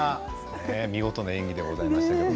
見事な演技でございました。